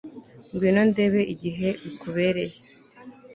Ngwino ndebe igihe bikubereye